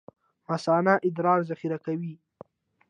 مثانه ادرار ذخیره کوي